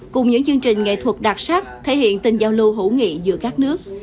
cùng những chương trình nghệ thuật đặc sắc thể hiện tình giao lưu hữu nghị giữa các nước